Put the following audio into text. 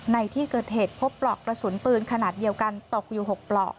ในที่เกิดเหตุพบปลอกกระสุนปืนขนาดเดียวกันตกอยู่๖ปลอก